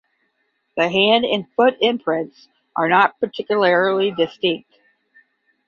The hand and foot imprints are not particularly distinct.